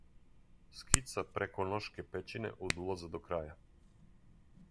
Скица Преконошке Пећине од улаза до краја.